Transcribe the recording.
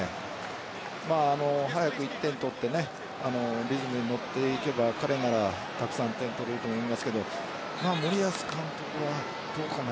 早く１点取ってリズムに乗っていけば彼ならたくさん点取れると思いますけど森保監督はどうかな。